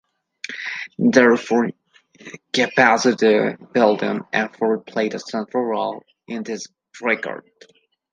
Therefore, capacity building efforts play a central role in this regard.